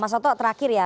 mas soto terakhir ya